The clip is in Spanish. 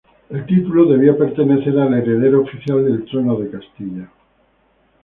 El título debía pertenecer al heredero oficial del trono de Castilla.